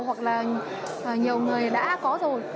hoặc là nhiều người đã có rồi